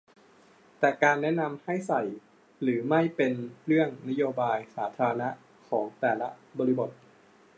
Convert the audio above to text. แต่การแนะนำให้ใส่หรือไม่เป็นเรื่องนโยบายสาธารณะของแต่ละบริบท